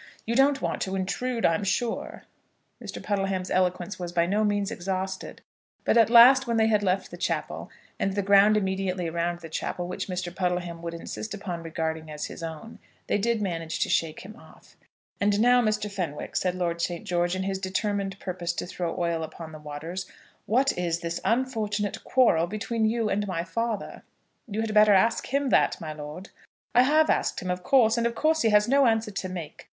You don't want to intrude, I'm sure." Mr. Puddleham's eloquence was by no means exhausted; but at last, when they had left the chapel, and the ground immediately around the chapel which Mr. Puddleham would insist upon regarding as his own, they did manage to shake him off. "And now, Mr. Fenwick," said Lord St. George, in his determined purpose to throw oil upon the waters, "what is this unfortunate quarrel between you and my father?" "You had better ask him that, my lord." "I have asked him, of course, and of course he has no answer to make.